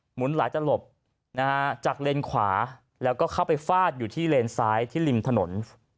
หุนหลายตลบนะฮะจากเลนขวาแล้วก็เข้าไปฟาดอยู่ที่เลนซ้ายที่ริมถนน